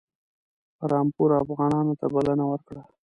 رامپور افغانانو ته بلنه ورکړه.